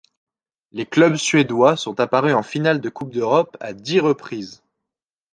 Les clubs suédois sont apparus en finale de Coupe d'Europe à dix reprises.